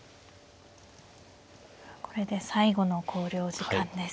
これで最後の考慮時間です。